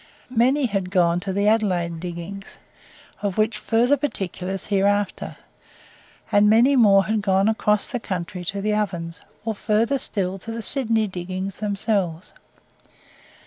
Many had gone to the Adelaide diggings, of which further particulars hereafter, and many more had gone across the country to the Ovens, or, farther still, to the Sydney diggings themselves.